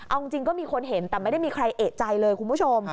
เอาจริงก็มีคนเห็นแต่ไม่ได้มีใครเอกใจเลยคุณผู้ชม